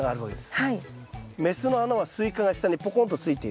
はい。